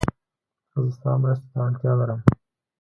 زه ستا مرستې ته اړتیا لرم